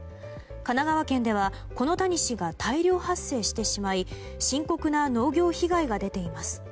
神奈川県ではこのタニシが大量発生してしまい深刻な農業被害が出ています。